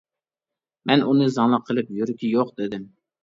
مەن ئۇنى زاڭلىق قىلىپ يۈرىكى يوق دېدىم.